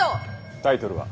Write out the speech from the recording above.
タイトルは？